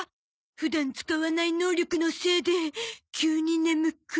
普段使わない能力のせいで急に眠く。